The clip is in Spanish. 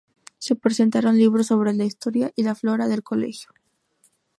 Se presentaron libros sobre la historia y la flora del colegio.